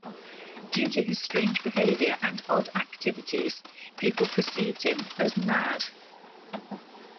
Due to his strange behavior and odd activities, people perceived him as 'mad'.